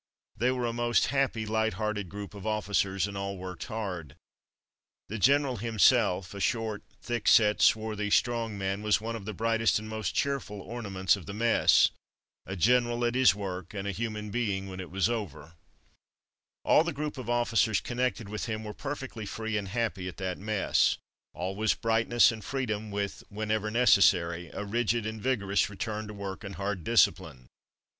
They were a most happy, light hearted group of officers, and all worked ^ u^\: ^tu hard. The ib oJlM/Loii" u/K/uecdynA*/^ general him ^^ self, a short, thick set, swarthy, strong man, was one of the brightest and most cheerful ornaments of the mess; a general at his work, and a human being when it was 162 From Mud to Mufti over. All the group of officers connected with him were perfectly free and happy at that mess. All was brightness and freedom, with, whenever necessary, a rigid and vigorous return to work and hard discipline.